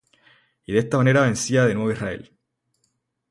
Y de esta manera vencía de nuevo Israel.